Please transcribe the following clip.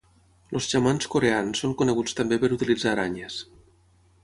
Els xamans coreans són coneguts també per utilitzar aranyes.